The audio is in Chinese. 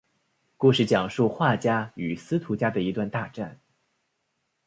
故事讲述华家与司徒家的一段大战。